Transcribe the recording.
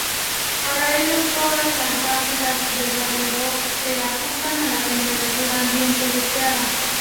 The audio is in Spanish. Para ello, todas las válvulas de radiador se ajustan a la temperatura ambiente deseada.